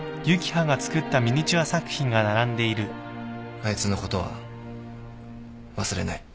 あいつのことは忘れない。